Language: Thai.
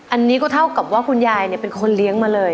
อันนี้ก็เท่ากับว่าคุณยายเป็นคนเลี้ยงมาเลย